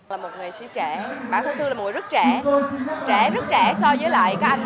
là một nghệ sĩ trẻ bản thân thương là một rất trẻ luôn trẻ rất trẻ so với lại các anh